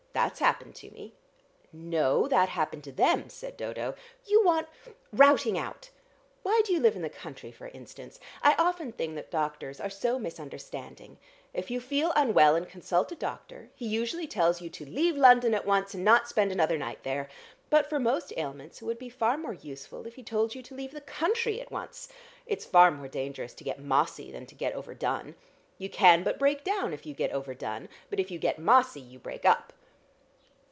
That's happened to me." "No; that happened to them," said Dodo. "You want routing out. Why do you live in the country, for instance? I often think that doctors are so misunderstanding. If you feel unwell and consult a doctor, he usually tells you to leave London at once, and not spend another night there. But for most ailments it would be far more useful if he told you to leave the country at once. It's far more dangerous to get mossy than to get over done. You can but break down if you get over done, but if you get mossy you break up."